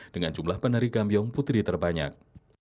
dengan jumlah penari gambiong putri terbanyak